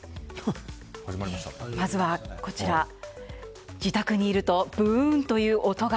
まずは、自宅にいるとブーンという音が。